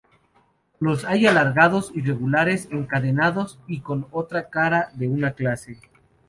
Los hay alargados, irregulares, encadenados y con cada cara de una clase.